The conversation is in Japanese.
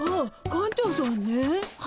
館長さん？